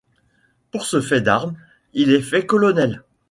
Pour ce fait d'armes, il est fait colonel.